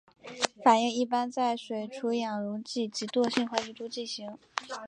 反应一般在除水除氧溶剂及惰性环境中进行。